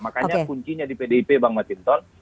makanya kuncinya di pdip bang masinton